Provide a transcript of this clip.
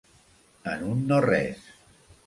En un no res.